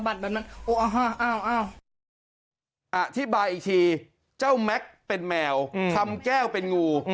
อธิบายอีกทีเจ้าแม็กซ์เป็นแมวทำแก้วเป็นงู